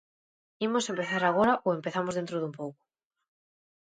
¿Imos empezar agora ou empezamos dentro dun pouco?